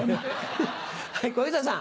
はい小遊三さん。